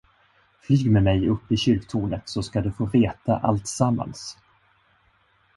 Flyg med mig upp i kyrktornet, så ska du få veta alltsammans!